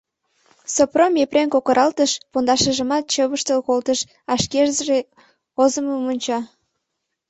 Сопром Епрем кокыралтыш, пондашыжымат чывыштал колтыш, а шкеже озымым онча.